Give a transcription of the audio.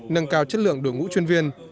nâng cao chất lượng đối ngũ chuyên viên